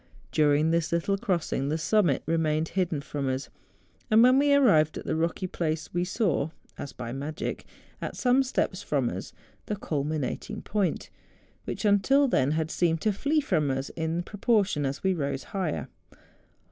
During this little crossing the summit remained hidden from us; and when we arrived at the rocky place we saw, as by magic, at some steps from us, tlie culminating point, which, until then, liad seemed to flee from us in proportion as we rose higher.